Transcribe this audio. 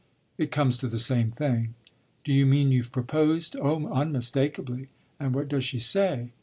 "It comes to the same thing." "Do you mean you've proposed?" "Oh unmistakably." "And what does she say?"